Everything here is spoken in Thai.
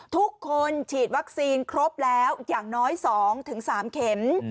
ทุกคนฉีดวัคซีนครบแล้วอย่างน้อย๒๓เข็ม